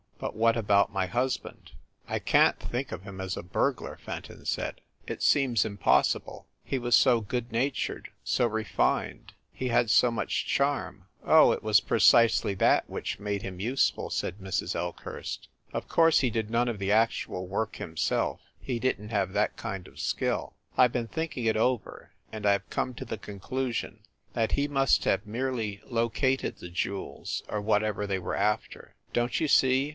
But what about my husband ?" "I can t think of him as a burglar," Fenton said. "It seems impossible. He was so good natured, so refined. He had so much charm." "Oh, it was precisely that which made him use ful," said Mrs. Elkhurst. "Of course he did none of the actual work himself he didn t have that kind of skill. I ve been thinking it over, and I have come to the conclusion that he must have merely located the jewels or whatever they were after. Don t you see?